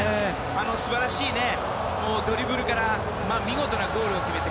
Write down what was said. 素晴らしいドリブルから見事なゴールを決めて。